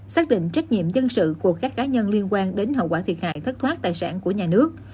xác định trách nhiệm dân sự của các cá nhân liên quan đến hậu quả thiệt hại thất thoát tài sản của nhà nước